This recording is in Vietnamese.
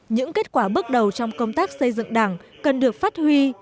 những kết quả bước đầu trong công tác xây dựng đảng cần được phát huy